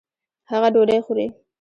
هغه ډوډۍ خوري